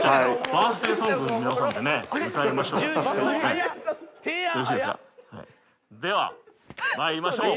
バースデーソングを皆さんで歌いましょう。